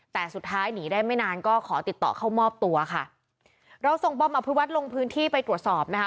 แต่สุดท้ายหนีได้ไม่นานก็ขอติดต่อเข้ามอบตัวค่ะเราส่งบอมอภิวัตรลงพื้นที่ไปตรวจสอบนะคะ